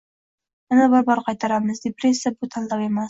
Yana bir bor qaytaramiz: depressiya bu tanlov emas.